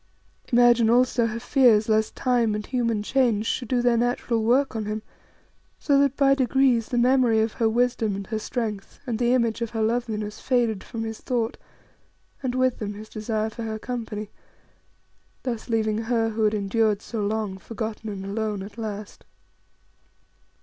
Imagine also her fears lest time and human change should do their natural work on him, so that by degrees the memory of her wisdom and her strength, and the image of her loveliness faded from his thought, and with them his desire for her company; thus leaving her who had endured so long, forgotten and alone at last.